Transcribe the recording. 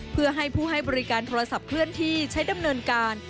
เพื่อให้ผู้ให้บริการโทรศัพท์เคลื่อนที่ใช้ดำเนินการ